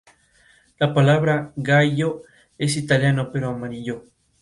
La palabra "giallo" es italiano para amarillo.